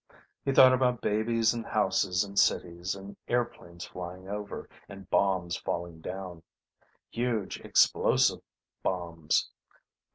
He thought about babies in houses in cities, and airplanes flying over, and bombs falling down: huge explosive bombs.